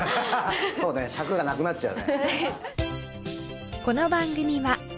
そうね尺がなくなっちゃうね。